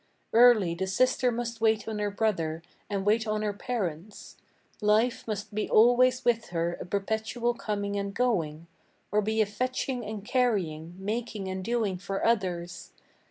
Early the sister must wait on her brother, and wait on her parents; Life must be always with her a perpetual coming and going, Or be a fetching and carrying, making and doing for others.